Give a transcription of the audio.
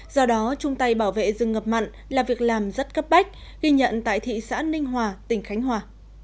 do đó chung tay bảo vệ rừng ngập mặn là việc làm rất cấp bách ghi nhận tại thị xã ninh hòa tỉnh khánh hòa